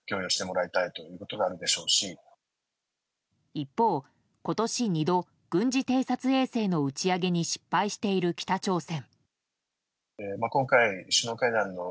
一方、今年、２度軍事偵察衛星の打ち上げに失敗している北朝鮮。